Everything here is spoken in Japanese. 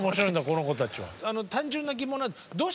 この子たちは。